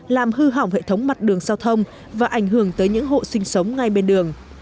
làm hư hỏng hệ thống mặt đường giao thông và ảnh hưởng tới những hộ sinh sống ngay bên đường